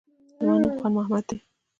زما نوم خان محمد دی